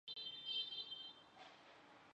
蝇属是一属苍蝇。